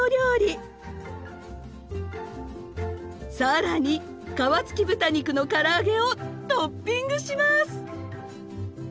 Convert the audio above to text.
さらに皮付き豚肉のから揚げをトッピングします！